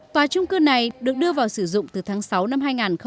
tòa trung cư này được đưa vào sử dụng từ tháng sáu năm hai nghìn một mươi ba